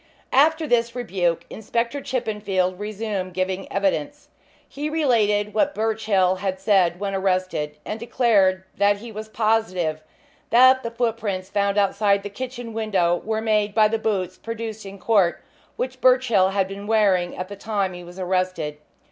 After this rebuke Inspector Chippenfield resumed giving evidence. He related what Birchill had said when arrested, and declared that he was positive that the footprints found outside the kitchen window were made by the boots produced in court which Birchill had been wearing at the time he was arrested.